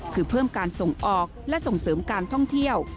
คือเพิ่มการส่งออกและส่งเสริมการท่องเที่ยว